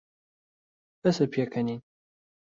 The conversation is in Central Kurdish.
بەسە پێکەنین.